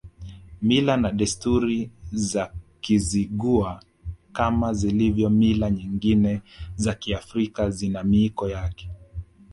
Mila na desturi za Kizigua kama zilivyo mila nyingine za Kiafrika zina miiko yake